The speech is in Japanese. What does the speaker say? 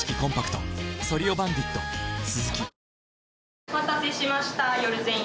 お待たせしました。